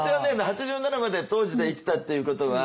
８７まで当時で生きたっていうことは。